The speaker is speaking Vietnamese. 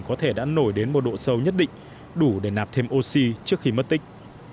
có thể đã nổi đến một độ sâu nhất định đủ để nạp thêm oxy trước khi mất tích